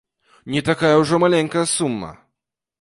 Не такая ўжо маленькая сума!